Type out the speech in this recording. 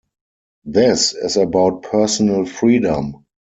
This is about personal freedom.